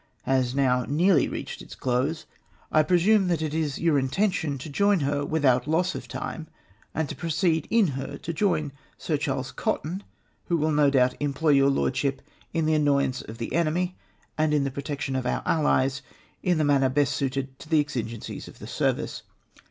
has now nearly reached its close, I presume that it is your intention to join her without loss of time, and to proceed in her to join Sir Charles Cotton, who will no doubt employ your Lordship in the annoyance of the enemy and in the protection of our Allies in the manner best suited to the exigencies of the service.